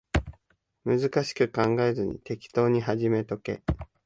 難しく考えずに適当に始めとけ